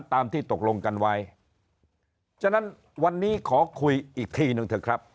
ตามที่ตกลงกันไว้ฉะนั้นวันนี้ขอคุยอีกทีหนึ่งเถอะครับ